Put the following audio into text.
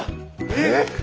えっ！？